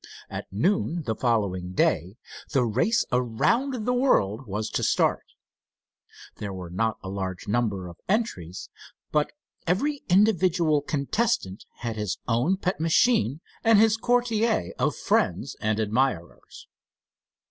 At noon the following day the race around the world was to start. There were not a large number of entries, but every individual contestant had his own pet machine and his coterie of friends and admirers.